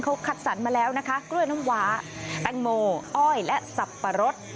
เขาคัดสรรมาแล้วนะคะกล้วยน้ำวาแตงโมอ้อยและสับปะรด